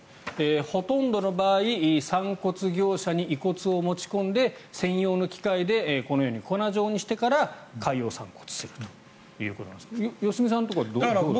ほとんどの場合散骨業者に遺骨を持ち込んで専用の機械でこのように粉状にしてから海洋散骨するということなんですが良純さんのところはどうしたんですか？